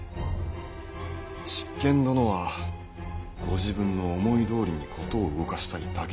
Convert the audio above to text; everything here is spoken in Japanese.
執権殿はご自分の思いどおりに事を動かしたいだけなのです。